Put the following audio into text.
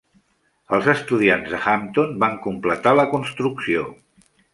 Els estudiants de Hampton van completar la construcció.